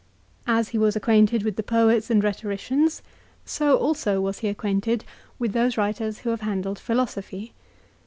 As he was acquainted with the poets and rhetoricians, so also was he acquainted with those writers who have handled philosophy.